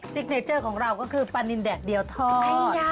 เนเจอร์ของเราก็คือปลานินแดดเดียวทอด